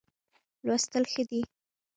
لوستل ښه دی.